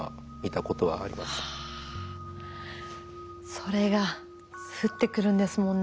それが降ってくるんですもんね。